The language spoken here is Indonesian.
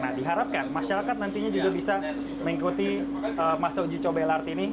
nah diharapkan masyarakat nantinya juga bisa mengikuti masa uji coba lrt ini